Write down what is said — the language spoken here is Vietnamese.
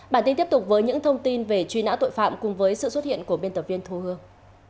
bản tin tiếp tục với những thông tin về truy nã tội phạm cùng với sự xuất hiện của biên tập viên thu hương